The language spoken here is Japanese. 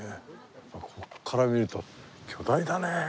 ここから見ると巨大だね。